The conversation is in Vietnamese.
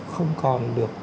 không còn được